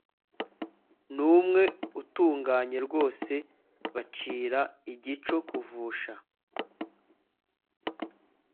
n umwe utunganye rwose bacira igico kuvusha